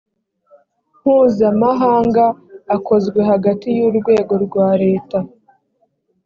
mpuzamahanga akozwe hagati y urwego rwa leta